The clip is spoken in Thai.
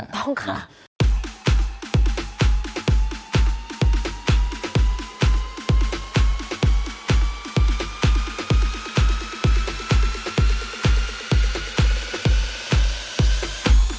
โปรดติดตามตอนต่อไป